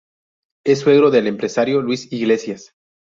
Es suegro del empresario Luis Iglesias.